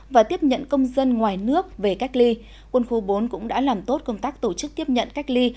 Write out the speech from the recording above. và tiếp nhận công dân ngoài nước về cách ly quân khu bốn cũng đã làm tốt công tác tổ chức tiếp nhận cách ly